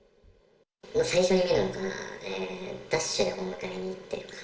最初に見るのが、ダッシュでお迎えに行っているか。